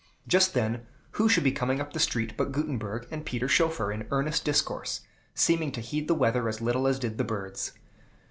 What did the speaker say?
Just then who should be coming up the street but Gutenberg and Peter Schoeffer, in earnest discourse, seeming to heed the weather as little as did the birds.